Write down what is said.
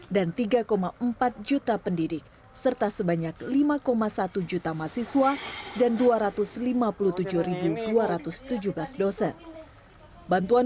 dan tiga lima juta peserta pendidikan